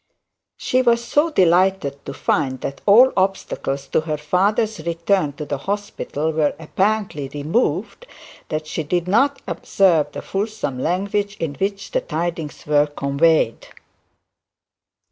She was so delighted to find that all obstacles to her father's return to the hospital were apparently removed that she did not observe the fulsome language in which the tidings were conveyed.